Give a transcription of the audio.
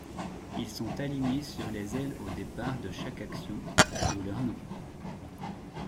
Ils sont alignés sur les ailes au départ de chaque action, d'où leur nom.